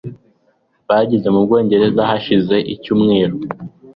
Bageze mu Bwongereza hashize icyumweru.